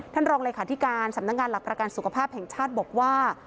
รองเลขาธิการสำนักงานหลักประกันสุขภาพแห่งชาติบอกว่า